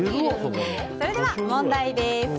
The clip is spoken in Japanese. それでは問題です。